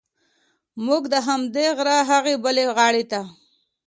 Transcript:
موږ د همدې غره هغې بلې غاړې ته.